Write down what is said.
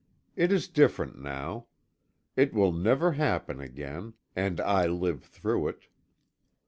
It is different now. It will never happen again and I live through it.